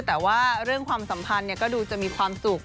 แต่ว่าเรื่องความสัมพันธ์ก็ดูจะมีความสุข